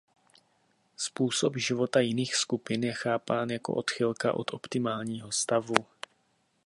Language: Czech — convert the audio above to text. Způsob života jiných skupin je chápán jako odchylka od optimálního stavu.